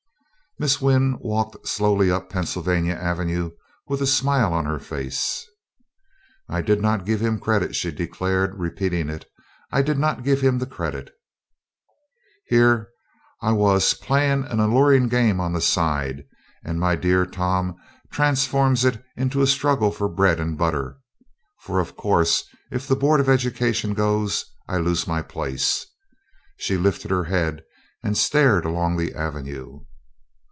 Miss Wynn walked slowly up Pennsylvania Avenue with a smile on her face. "I did not give him the credit," she declared, repeating it; "I did not give him the credit. Here I was, playing an alluring game on the side, and my dear Tom transforms it into a struggle for bread and butter; for of course, if the Board of Education goes, I lose my place." She lifted her head and stared along the avenue.